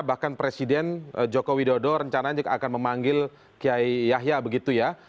bahkan presiden joko widodo rencananya akan memanggil kiai yahya begitu ya